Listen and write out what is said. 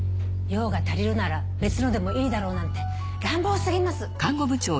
量が足りるなら別のでもいいだろうなんて乱暴すぎます。